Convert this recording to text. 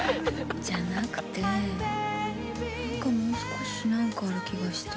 じゃなくて何かもう少し何かある気がして。